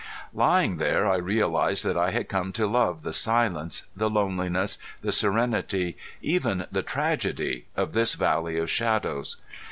Lying there I realized that I had come to love the silence, the loneliness, the serenity, even the tragedy of this valley of shadows.